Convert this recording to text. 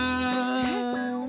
えっ。